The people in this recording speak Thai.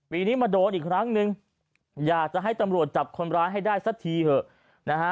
ปีนี้มาโดนอีกครั้งนึงอยากจะให้ตำรวจจับคนร้ายให้ได้สักทีเถอะนะฮะ